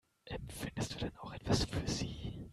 Empfindest du denn auch etwas für sie?